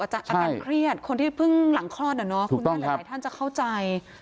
อาการเครียดคนที่เพิ่งหลังคลอดอ่ะเนอะท่านจะเข้าใจ